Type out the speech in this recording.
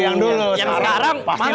yang dulu yang sekarang pasti lebih baik